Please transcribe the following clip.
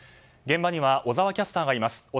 現場には小澤キャスターがいます。